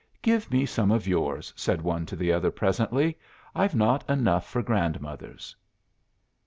'Give me some of yours,' said one to the other, presently; 'I've not enough for grandmother's.